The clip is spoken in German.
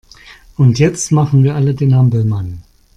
Und jetzt machen wir alle den Hampelmann!